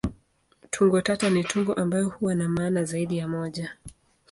Tungo tata ni tungo ambayo huwa na maana zaidi ya moja.